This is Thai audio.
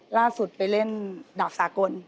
ล่าสุดไปเล่นดอกสากล